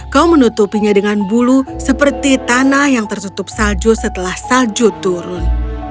kau menutupinya dengan bulu seperti tanah yang tertutup salju setelah salju turun